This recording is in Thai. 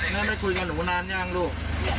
แม่ได้คุยกับหนูนานยังลูก